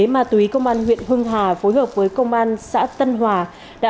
mà tùy công an huyện hưng hà phối hợp với công an xã tân hòa